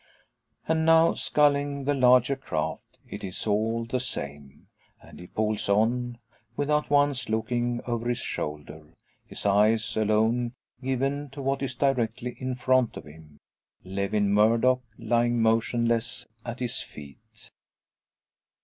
And now, sculling the larger craft, it is all the same. And he pulls on, without once looking over his shoulder; his eyes alone given to what is directly in front of him; Lewin Murdock lying motionless at his feet.